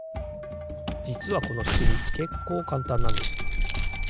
じつはこのしくみけっこうかんたんなんです。